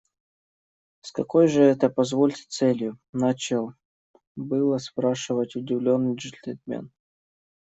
С какой же это, позвольте, целью? – начал было спрашивать удивленный джентльмен.